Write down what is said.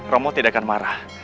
romo tidak akan marah